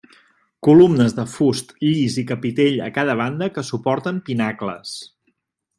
Columnes de fust llis i capitell a cada banda que suporten pinacles.